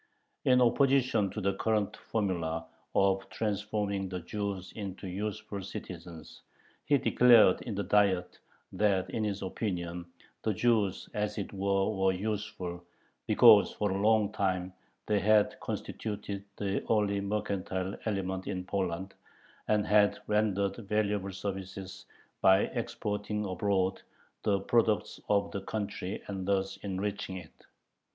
In opposition to the current formula of "transforming the Jews into useful citizens," he declared in the Diet that in his opinion the Jews as it was were useful, because for a long time they had constituted the only mercantile element in Poland, and had rendered valuable services by exporting abroad the products of the country and thus enriching it.